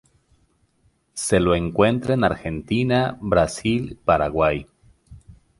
Se lo encuentra en Argentina, Brasil, Paraguay.